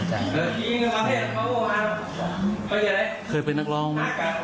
ลักษณ์มากกว่า